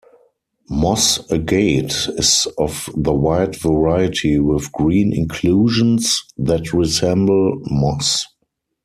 Moss agate is of the white variety with green inclusions that resemble moss.